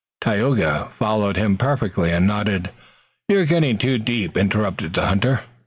Tayoga followed him perfectly and nodded. "You are getting too deep," interrupted the hunter.